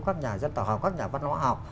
các nhà dân tộc học các nhà văn hóa học